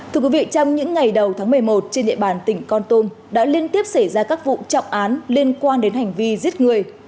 thưa quý vị trong những ngày đầu tháng một mươi một trên địa bàn tỉnh con tum đã liên tiếp xảy ra các vụ trọng án liên quan đến hành vi giết người